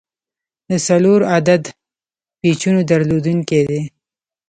د څلور عدده پیچونو درلودونکی دی.